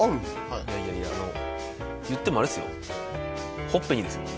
はいいやいやいやあの言ってもあれっすよ